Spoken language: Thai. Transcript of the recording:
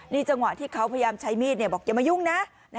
นี่จังหวะที่เขาพยายามใช้มีดบอกอย่ามายุ่งนะ